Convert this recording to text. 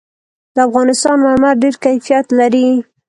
د افغانستان مرمر ډېر کیفیت لري.